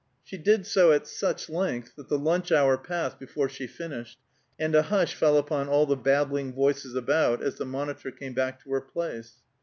She did so at such length that the lunch hour passed before she finished, and a hush fell upon all the babbling voices about, as the monitor came back to her place.